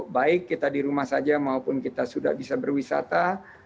baik kita di rumah saja maupun kita sudah bisa berwisata